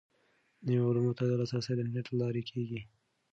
نویو علومو ته لاسرسی د انټرنیټ له لارې کیږي.